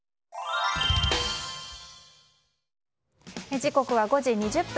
時刻は５時２０分。